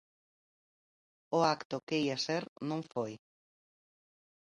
O acto que ía ser non foi.